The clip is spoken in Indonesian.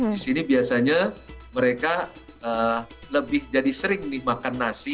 di sini biasanya mereka lebih jadi sering nih makan nasi